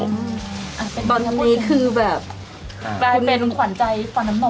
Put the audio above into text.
ตอนนี้คือแบบแบบเป็นขวานใจขวานน้ำหม่ม